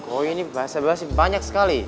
oh ini bahasa bahasa banyak sekali